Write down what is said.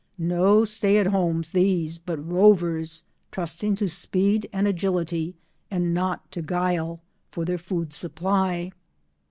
No stay at homes, these, but rovers, trusting to speed and agility, and not to guile, for their food supply.